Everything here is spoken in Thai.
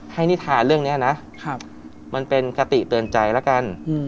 นิทาเรื่องนี้นะมันเป็นคติเตือนใจแล้วกัน